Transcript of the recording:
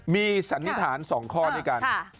มีสันนิษฐานสองข้อนี่กัน